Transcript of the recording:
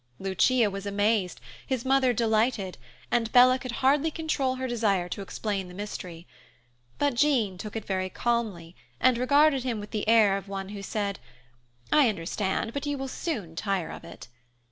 Lucia was amazed, his mother delighted, and Bella could hardly control her desire to explain the mystery; but Jean took it very calmly and regarded him with the air of one who said, "I understand, but you will soon tire of it."